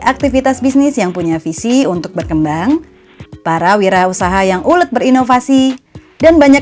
aktivitas bisnis yang punya visi untuk berkembang para wira usaha yang ulet berinovasi dan banyak